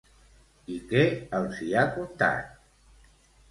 I qui els hi ha contat?